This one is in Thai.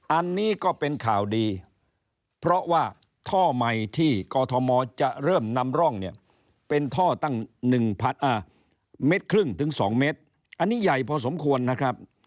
อันนี้ก็เป็นข่าวดีเพราะว่าท่อใหม่ที่กอทมจะเริ่มนำร่องเป็นท่อ๑๒มอันนี้ใหญ่พอสมควรนะครับ